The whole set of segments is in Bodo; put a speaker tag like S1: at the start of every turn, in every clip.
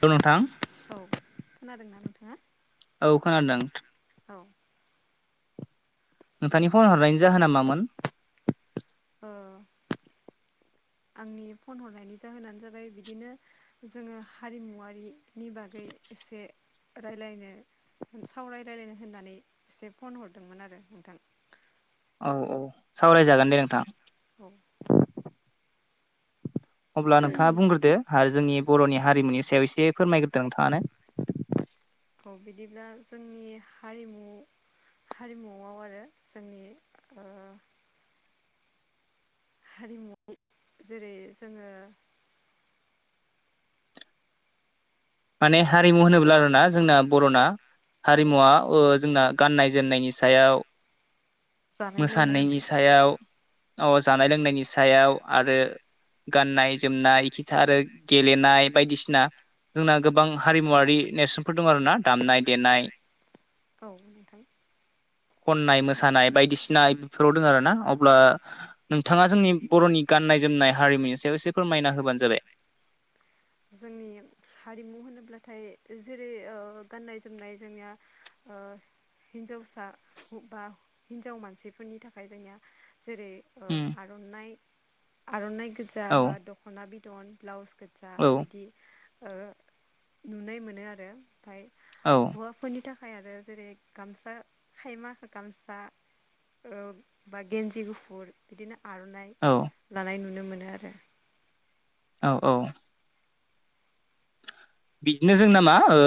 S1: औ नोंथां
S2: हेलौ नोंथां औ खोनादोंना नोंथाङा?
S1: औ खोनादों।
S2: औ
S1: नोंथांनि फन हरनायनि जाहोना मामोन?
S2: ओ आंनि फन हरनायनि जाहोनानो जाबाय बिदिनो जोङो हारिमुवारिनि बागै एसे रायलायनो सावरायलायनो होननानै एसे फन हरदोंमोन आरो नोंथां
S1: औ औ सावरायजागोन दे नोंथां।
S2: औ
S1: अब्ला नोंथाङा बुंग्रोदो आरो जोंनि बर'नि हारिमुनि सायाव एसे फोरमायग्रोदो नोंथाङानो।
S2: औ बिदिब्ला जोंनि हारिमु हारिमुआव आरो जोंनि ओ हारिमुआव जेरै जोङो
S1: माने हारिमु होनोब्ला आरोना जोंना बर'ना
S2: औ
S1: हारिमुवा ओ जोंना गाननाय जोमनायनि सायाव
S2: जानाय
S1: मोसानायनि
S2: लोंनायनिसो
S1: सायाव अ जानाय लोंनायनि सायाव आरो गाननाय जोमनाय खिथा आरो गेलेनाय बायदिसिना जोंना गोबां हारिमुवारि नेरसोनफोर दं आरोना दामनाय देनाय
S2: औ नोंथां
S1: खननाय मोसानाय बायदिसिना बेफोराव दं आरोना अब्ला नों थाङा जोंनि बर'नि गाननाय जोमनाय हारिमुनि सायाव एसे फोरमायना होबानो जाबाय।
S2: जोंनि हारिमु होनोब्लाथाय जेरै ओ गाननाय जोमनाय जोंनिया ओ हिनजावसा बा हिनजाव मानसिफोरनि थाखाय जोंनिया जेरै ओ
S1: उम
S2: आर'नाइ आर'नाइ गोजा
S1: औ
S2: बा दख'ना बिदन ब्लाउस जा
S1: औ
S2: बिदि ओ नुनाय मोनो आरो ओमफ्राय
S1: औ
S2: हौवाफोरनि थाखाय आरो जेरै गामसा खायमा गामसा बा गेन्जि गुफुर बिदिनो आर'नाइ
S1: औ
S2: लानाय नुनो मोनो आरो
S1: औ औ बिदिनो जोंना मा ओ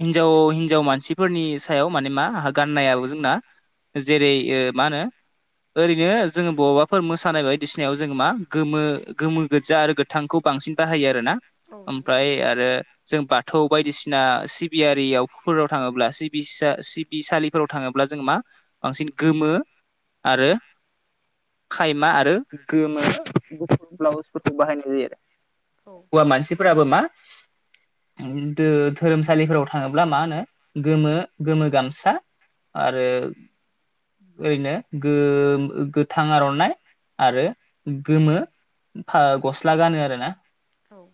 S1: हिनजाव हिन्जाव मानसिफोरनि सायाव माने मा हाग गाननायाबो जोंना जेरै ओ मा होनो ओरैनो जोङो बबावबाफोर मोसानाय बायदिसिनायाव जोङो मा गोमो गोमो गोज्जा आरो गोथांखौ बांसिन बाहायो आरो ना
S2: औ नोंथां
S1: ओमफ्राय आरो जों बाथौ बायदिसिना सिबियारियावफोराव थाङोब्ला सिब बिसा-सिबिसालिफोराव थाङोब्ला जों मा बांसिन गोमो आरो खायमा आरो गोमो गुफुर ब्लाउजफोरखौ बाहायनाय जायो आरो
S2: औ
S1: मानसिफोराबो मा दो धोरोमसालिफोराव थाङोब्ला मा होनो गोमो गोमो गामसा आरो ओरैनो गोम ओ गोथां आर'नाइ आरो गोमो फा गस्ला गानो आरो ना
S2: औ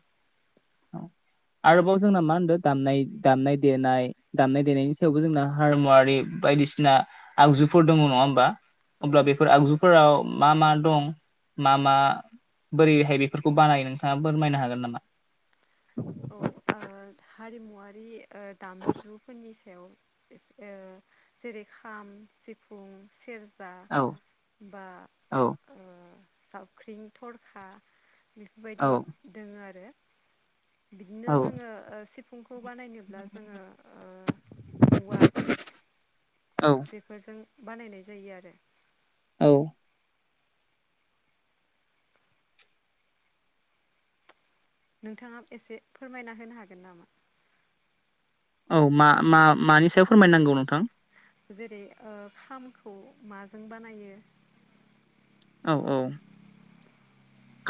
S1: आरोबाव जोंना मा होनदों दामनाय दामनाय देनाय दामनाय देनायनि सायावबो जोंना हारमुवारि बायदिसिना आगजुफोर दङ नङा ओमबा
S2: औ
S1: अब्ला बेफोर आगजुफोराव मा मा दं मा मा बोरैहाय बेफोरखौ बानायो नोंथाङा फोरमायनो हागोन नामा?
S2: औ ओ हारिमुवारि ओ दामजुफोरनि सायाव ओ जेरै खाम सिफुं सेर जा
S1: औ
S2: बा
S1: औ
S2: ओ जाबख्रिं थरखा बेफोरबायदि
S1: औ
S2: दङो आरो बिदिनो
S1: औ
S2: जोङो ओ फुुंखौ बानायनोब्ला जोङो ओ औवा
S1: औ
S2: बेफोरजों बानायनाय जायो आरो
S1: औ
S2: नोंथाङा एसे फोरमायना होनो हागोन नामा?
S1: औ मा मा मानि सायाव फोरमायनांगौ नोंथां?
S2: जेरै ओ खामखौ माजों बानायो
S1: औ औ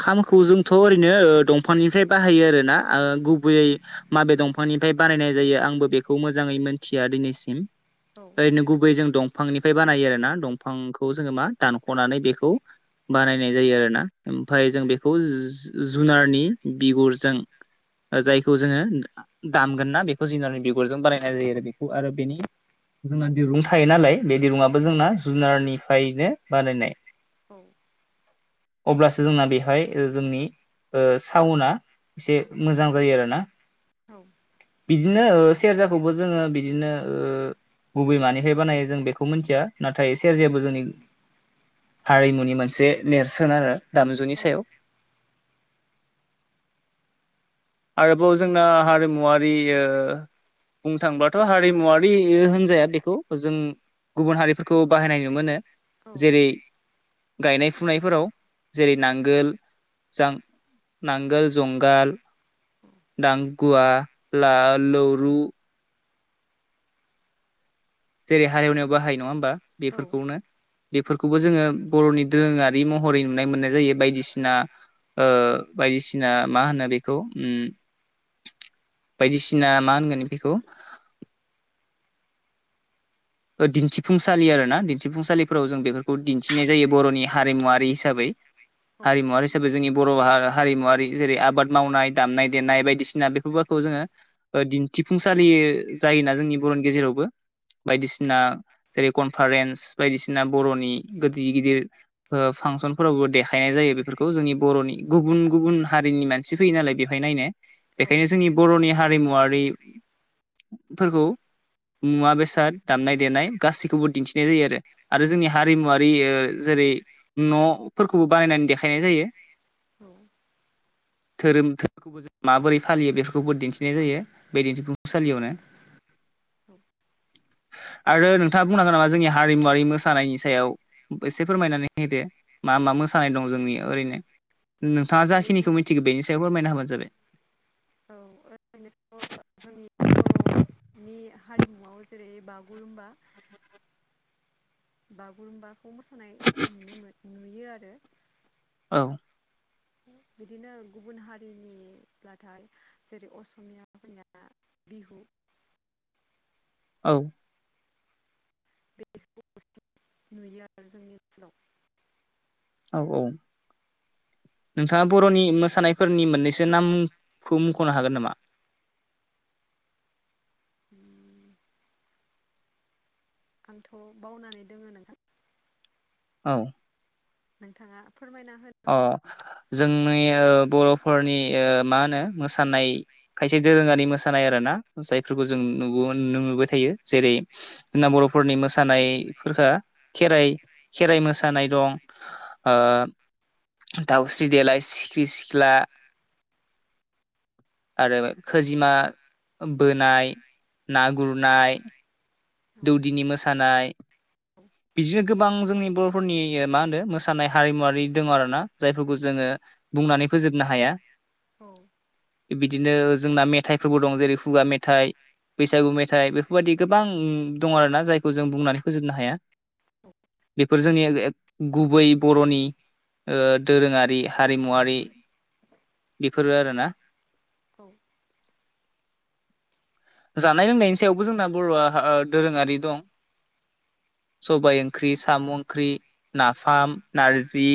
S1: खामखौ जोंथ' ओरैनो ओ दंफांनिफ्राय बाहायो आरो ना ओ गुबैयै माबे दंफांनिफ्राय बानायनाय जायो आंबो बेखौ मोजाङै मोनथिया दिनैसिम
S2: औ
S1: ओरैनो गुबै जों दं दंफांनिफ्राय बानायो आरो ना दंफांखौ जोङो मा दानख'नानै बेखौ बानायनाय जायो आरो ना
S2: औ
S1: ओमफफ्राय जों बेखौ जु-जुनारनि बिगुरजों जायखौ जोङो दामगोन ना बेखौ जिनारनि बिगुरजों बानायनाय जायो आरो बेखौ आरो बेनि जोंना दिरुं थायो नालाय बे दिरुंआबो जोंना जुनारनिफ्रायनो बानायनाय
S2: औ
S1: अब्लासो जोंना बेहाय ओ जोंनि ओ साउनआ एसे मोजां जायो आरो ना
S2: औ
S1: बिदिनो ओ सेरजाखौबो जोङो बिदिनो ओ गुबै मानिफ्राय बानायो जों बेखौ मिथिया नाथाय सेरजायाबो जोंनि हारिमुनि मोनसे नेरसोन आरो दामजुनि सायाव आरोबाव जोंना हारिमुवारि ओ बुंनो थांबाथ' हारिमुवरारि होनजाया बेखौ जों गुबुन हारिफोरखौ बाहायनाय [unintelligible] नो मोनो
S2: औ
S1: जेरै गायनाय फुनायफोराव जेरै नांगोल जां नांगोल जंगाल दांगुवा ला लरु जेरैहाय एवनायाव बाहायो नङा होमबा
S2: औ
S1: बेफोरखौनो बेफोरखौबो जोङो बर'नि दोरोङारि महरै नुनाय मोननाय जायो बायदिसिना ओ बायदिसिना मा होनो बेखौ उ बायदिसिना मा होनगोन बेखौ ओ दिन्थिफुंसालि आरो ना दिन्थिफुंसालिफोराव जों बेफोरखौ दिन्थिनाय जायो बर'नि हारिमुवारि हिसाबै
S2: औ
S1: हारिमुवारि हिसाबै जोंनि बर' हा हारिमुवारि जेरै आबाद मावनाय दामनाय देनाय बायदिसिना बेफोरबो खौ जोङो ओ दिन्थिफुंसालि जायोना जोंनि बर'नि गेजेरावबो बायदिसिना जेरै कनफारेन्स बायदिसिना बर'नि गो गिदिर गिदिर ओ फांसनफोरावबो देखायनाय जायो बेफोरखौ जोंनि बर'नि गुबुन गुबुन हारिनि मान सि फैयो नालाय बेवहाय नायनो
S2: औ
S1: बेखायनो जोंनि बर'नि हारिमुवारिफोरखौ मुवा बेसाद दामनाय देनाय गासैखौबो दिन्थिनाय जायो आरो आरो जोंनि हारिमुवारि ओ जेरै न'फोरखौबो बानायनानै देखायनाय जायो
S2: औ
S1: धोरोम धो माबोरै फालियो बेफोरखौबो दिन्थिनाय जायो बे दिन्थिफुंसालियावनो आरो नोंथाङा बुंनो हागोन नामा जोंनि हारिमुवरारि मोसानायनि सायाव एसे फोरमायनानै होदो मा मा मोसानाय दं जोंनिया ओरैनो नोंथाङा
S2: ओरैनो
S1: जाखिनिखौ मिथिगौ बेनि सायाव फोरमायना होबानो जाबाय
S2: औ ओ [unintelligible] बर'नि [unintelligible] हारिमुआव जेरै बागुरुमबा बागुरुमबा बेखौ मोसानाय नुनो मोन नुयो आरो
S1: औ
S2: [inaudible] बिदिनो गुबुन हारिनिब्लाथाय जेरै असमियाफोरनिया बिहु
S1: औ
S2: [unintelligible] नुयो आरो जोंनि ओनसोलाव
S1: औ औ नोंथाङा बर'नि मोसानायफोरनि मोननैसो नामखौ मुख'नो हागोन नामा
S2: [inaudible] आंथ' बावनानै दोङो नोंथां
S1: औ
S2: नोंथाङा फोरमायना होन
S1: अ जोंनै ओ बर'फोरनि ओ मा होनो मोसानाय खायसे दोरोङारि मोसानाय आरो ना जायफोरखौ जों नु [unintelligible] नुबोबाय थायो जेरै जोंना बर'फोरनि मोसानायफोरखो खेराइ खेराइ मोसानाय दं ओ दाउस्रिदेलाय सिख्रि सिख्ला आरो खोजिमा बोनाय ना गुरनाय
S2: नामा औ
S1: दौदिनि मोसानाय
S2: औ
S1: बिदिनो गोबां जोंनि बर'फोरनि मा होनो मोसानाय हारिमुवारि दङ आरो ना जायफोरखौ जोङो बुंनानै फोजोबनो हाया।
S2: औ
S1: थिक बिदिनो जोंना मेथाइफोरबो दं जेरै खुगा मेथाइ। बैसागु मेथाइ बेफोरबायदि गोबां दं आरोना जायखौ जों बुंनानै फोजोबनो हाया। बेफोर जोंनि गुबै बर'नि। दोरोङारि हारिमुवारि बेफोरो आरोना।
S2: औ
S1: जानाय लोंनायनि सायावबो जोंना बर'आ ओ दोरोङारि दं। सबाय ओंख्रि, साम' ओंख्रि,
S2: औ
S1: नाफाम, नारजि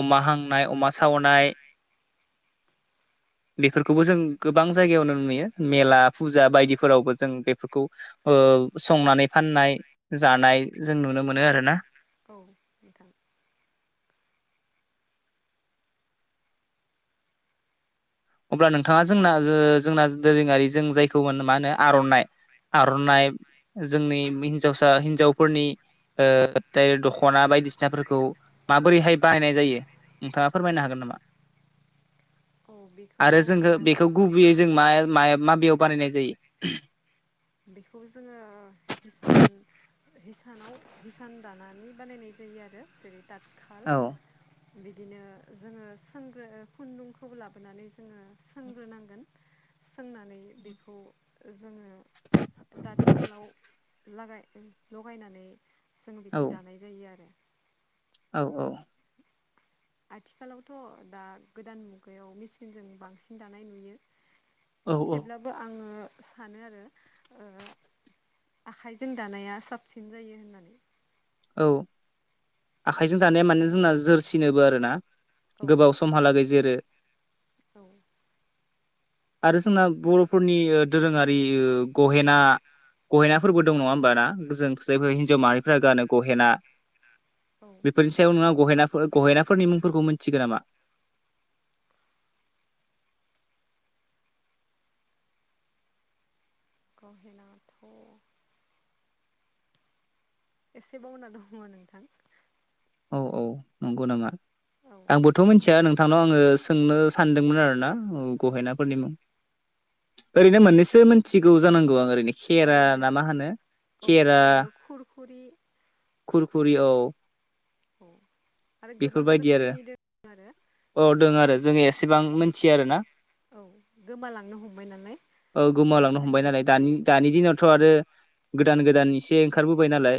S1: अमा हांनाय अमा सावनाय।
S2: [inaudible]
S1: बेफोरखौबो जों गोबां जायगायावनो नुयो मेला फुजा बायदिफोरावबो जों बेफो खौ संनानै फाननाय जानाय जों नुनो मोनो आरो ना।
S2: औ नोंथां।
S1: अब्ला नोंथाङा जोंना ओ जोंना दोरोङारि जों जायखौ मा होनो आर'नाइ। आर'नाइ जोंनि हिन्जावसा हिनजावफोरनि ओ दख'ना बायदिसिनाफोरखौ माबोरैहाय बाहायनाय जायो। नोंथाङा फोरमायनो हागोन नामा?
S2: औ बे
S1: आरो जोंनो बेखौ गुबैयै जों मा मा माबेयाव बानायनाय जायो।
S2: बेखौ जोङो हिसान हिसानाव हिसान दानानै बानायनाय जायो आरो जेरै ताथखाल।
S1: औ
S2: बिदिनो जोङो सोंग्रो खुन्दुंखौबो लाबोनानै जोङो सोंग्रोनांगोन। सोंनानै बेखौ जोङो दाथ खालाव लागाय लगायनानै जोङो
S1: औ
S2: बेखौ दानाय जायो आरो।
S1: औ औ
S2: आथिखालावथ' दा गोदान मुगायाव मेचिनजों बांसिन दानाय नुयो।
S1: औ औ
S2: थेवब्लाबो आङो सानो आरो ओ आखाइजों दानाया साबसिन जायो होननानै।
S1: औ आखाइजों दानाया माने जोंना जोरसिनोबो आर ना गोबाव
S2: औ
S1: समहालागै जोरो।
S2: औ
S1: आरो जोंना बर'फोरनि दोरोङारि ओ गहेना गहेनाफोरबो दं नङा होमबा ना? जों जायफोर हिन्जाव माहारिफोरा गानो गहेना।
S2: औ
S1: बेफोरनि सायाव नोंङा गहेनाफोर गहेनाफोरनि मुंफोरखौ मोनन्थिगोन नामा?
S2: गहेनाथ' एसे बावना दङ नोंथां।
S1: औ औ नंगौ नामा?
S2: औ
S1: आंबो थ' मिथिया नोंथांनाव आङो सोंनो सानदोंमोन आरोना
S2: औ
S1: गहेनाफोरनि मुं। ओरैनो मोननैसो मोनथिगौ जानांगौ आं ओरैनो खेरा ना
S2: ओरैनो
S1: मा होनो
S2: औ
S1: खेरा
S2: ओ खुरखुरि
S1: खुरखुरि औ।
S2: औ आरो गोबां
S1: बेफोरबायदि आरो।
S2: रोखोमनि दों आरो
S1: औ दं आरो जोङो एसेबां मिथियो आरोना।
S2: औ गोमालांनो हमबाय नालाय
S1: औ गोमालांनो हमबाय
S2: बेनिखायनो
S1: नालाय
S2: एसे
S1: दानि दानि दिनावथ' आरो गोदान गोदान एसे ओंखारबोबाय नालाय।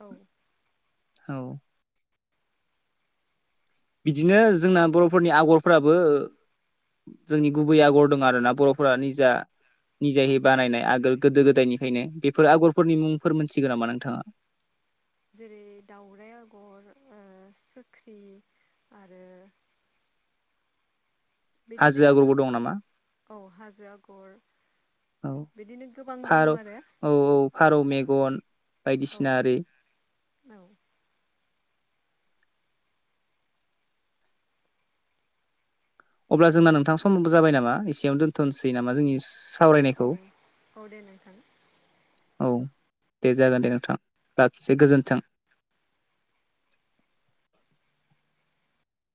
S2: औ
S1: औ बिदिनो जोंना बर'फोरनि आगर फोराबो जोंनि गुबै आगर दङ आरोना बर'फोरा निजा
S2: औ
S1: निजायै बानायनाय आगोल गोदो गोदायनिफ्रायनो बेफोर
S2: औ
S1: आगरफोरनि मुंफोर मोनथिगौ नामा नोंथाङा?
S2: जेरै दाउरायाइ आगर ओ सोख्रि आरो
S1: हाजो
S2: बिदिनो
S1: आगरबो दं नामा
S2: औ हाजो आगर।
S1: औ
S2: बिदिनो गोबां दङ
S1: फारौ
S2: आरो
S1: औ औ फारौ मेगन।
S2: औ
S1: बायदिसिना आरि
S2: औ
S1: अब्ला जोंना नोंथां समावबो जाबाय नामा एसेयावनो दोनथ'नोसै नामा जोंनि
S2: औ
S1: सावरायनायखौ?
S2: औ दे नोंथां
S1: औ दे जागोन दे नोंथां बाखिसै गोजोन्थों।